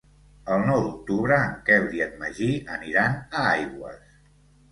El nou d'octubre en Quel i en Magí aniran a Aigües.